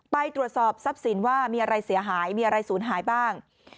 ไปตรวจสอบทรัพย์สินว่ามีอะไรเสียหายมีอะไรศูนย์หายบ้าง